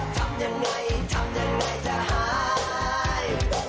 ทำยังไงทำยังไงจะหาย